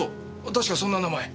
確かそんな名前。